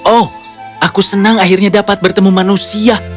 oh aku senang akhirnya dapat bertemu manusia